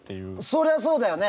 そりゃそうだよね！